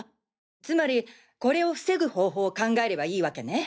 つまりこれを防ぐ方法を考えればいいわけね。